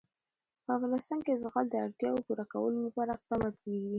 په افغانستان کې د زغال د اړتیاوو پوره کولو لپاره اقدامات کېږي.